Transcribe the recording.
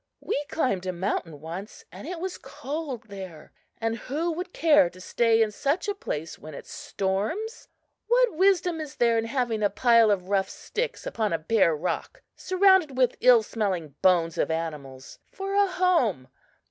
We climbed a mountain once, and it was cold there; and who would care to stay in such a place when it storms? What wisdom is there in having a pile of rough sticks upon a bare rock, surrounded with ill smelling bones of animals, for a home?